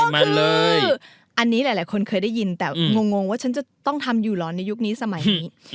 มันเลยอันนี้หลายคนเคยได้ยินแต่งงว่าฉันจะต้องทำอยู่เหรอในยุคนี้สมัยนี้